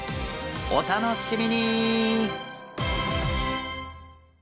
お楽しみに！